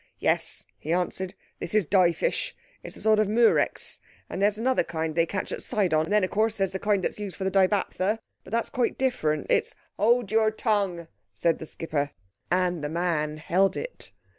"Yes," he answered, "this is the dye fish. It's a sort of murex—and there's another kind that they catch at Sidon and then, of course, there's the kind that's used for the dibaptha. But that's quite different. It's—" "Hold your tongue!" shouted the skipper. And the man held it.